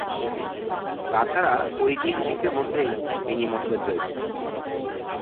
তাছাড়া ঐতিহাসিকদের মধ্যেই এ নিয়ে মতভেদ রয়েছে।